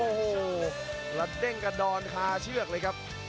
โอ้โหแล้วเด้งกระดอนคาเชือกเลยครับ